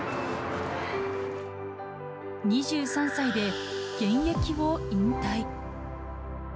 ２３歳で現役を引退。